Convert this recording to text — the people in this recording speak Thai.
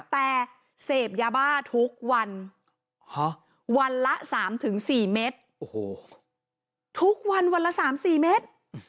แต่เสพยาบ้าทุกวันวันละ๓๔เมตรทุกวันวันละ๓๔เมตร